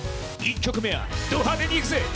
１曲目はド派手にいくぜ！